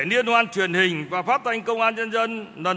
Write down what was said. liên hoan truyền hình và phát thanh công an nhân dân